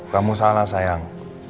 kamu salah sayang